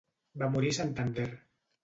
Va morir a Santander.